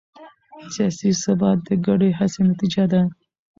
سیاسي ثبات د ګډې هڅې نتیجه ده